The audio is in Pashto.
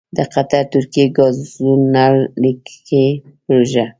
دقطر ترکیې دګازو نل لیکې پروژه: